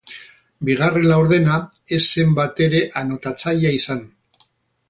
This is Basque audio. Bigarren laurdena ez zen batere anotatzailea izan.